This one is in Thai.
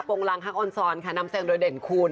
งรังฮักออนซอนค่ะนำแซงโดยเด่นคุณ